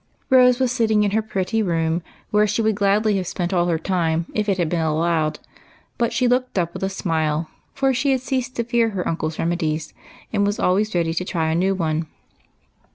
Rose was sitting in her pretty room, where she would gladly have spent all her time if it had been allowed ; but she looked up with a smile, for she had ceased to fear her uncle's remedies, and was always ready to try a new one.